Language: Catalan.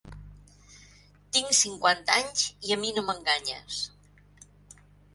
Tinc cinquanta anys, i a mi no m'enganyes.